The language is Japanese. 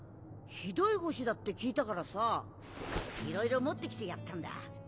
ひどい星だって聞いたからさ色々持ってきてやったんだ。